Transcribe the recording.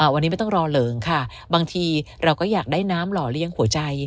วันนี้ไม่ต้องรอเหลิงค่ะบางทีเราก็อยากได้น้ำหล่อเลี้ยงหัวใจ